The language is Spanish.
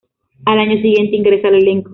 Al año siguiente ingresa al elenco.